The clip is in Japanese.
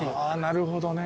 なるほどね。